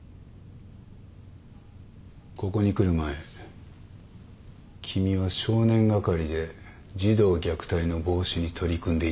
ここに来る前君は少年係で児童虐待の防止に取り組んでいたな。